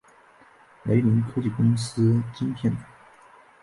雷凌科技公司晶片组。